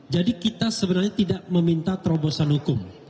jadi kita sebenarnya tidak meminta terobosan hukum